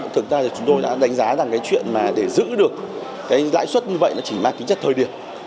thực ra thì chúng tôi đã đánh giá rằng cái chuyện mà để giữ được cái lãi suất như vậy nó chỉ mang tính chất thời điểm